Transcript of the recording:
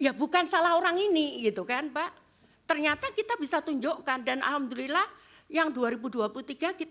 ya bukan salah orang ini gitu kan pak ternyata kita bisa tunjukkan dan alhamdulillah yang dua ribu dua puluh tiga kita